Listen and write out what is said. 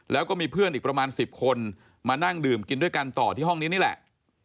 แล้วก็มีเพื่อนอีกประมาณ๑๐คนมานั่งดื่มกินด้วยกันต่อที่ห้องนี้นี่แหละ